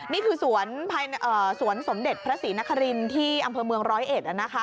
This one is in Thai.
นี่คือสวนสมเด็จพระศรีนครินที่อำเภอเมืองร้อยเอ็ดนะคะ